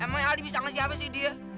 emang aldi bisa enggak siapa sih dia